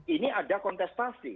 ini ada kontestasi